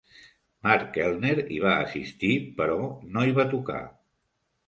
Mark Keltner hi va assistir, però no hi va tocar.